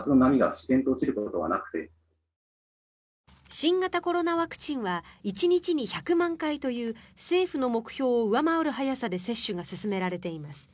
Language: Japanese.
新型コロナワクチンは１日に１００万回という政府の目標を上回る速さで接種が進められています。